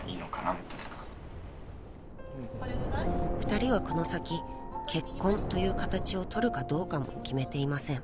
［２人はこの先結婚という形をとるかどうかも決めていません］